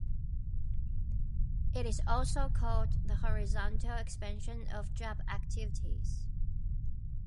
It is also called the horizontal expansion of job activities.